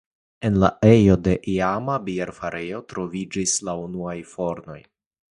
En la ejo de la iama bierfarejo troviĝis la unuaj fornoj.